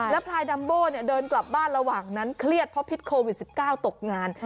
พลายดัมโบ้เดินกลับบ้านระหว่างนั้นเครียดเพราะพิษโควิด๑๙ตกงาน